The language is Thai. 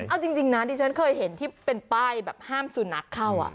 เอาจริงนะดิฉันเคยเห็นที่เป็นป้ายแบบห้ามสุนัขเข้า